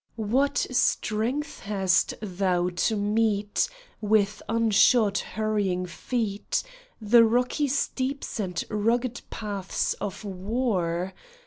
What strength hast thou to meet, With unshod hurrying feet, The rocky steeps and rugged paths of war